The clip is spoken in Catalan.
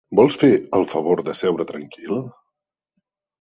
Vols fer el favor de seure tranquil?